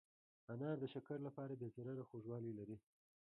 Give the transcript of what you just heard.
انار د شکر لپاره بې ضرره خوږوالی لري.